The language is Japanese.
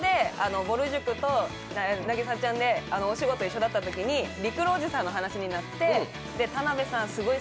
東京でぼる塾と凪咲ちゃんがお仕事だったときにりくろーおじさんの話になって、田辺さん